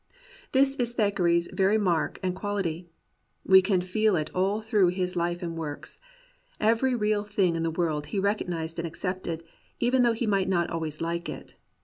This is Thackeray's very mark and quality. We can feel it all through his life and works. Every thing real in the world he recognized and accepted, even though he might not always like it.